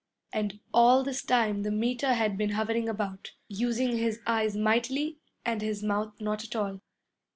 And all this time the Meter had been hovering about, using his eyes mightily and his mouth not at all.